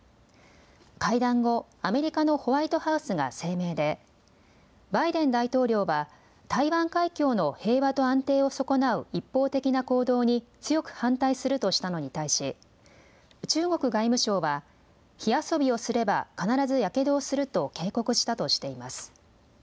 会談後、アメリカのホワイトハウスが声明で、バイデン大統領は台湾海峡の平和と安定を損なう一方的な行動に強く反対するとしたのに対し、中国外務省は、火遊びをすれば必ずやけどをすると警告したとしています。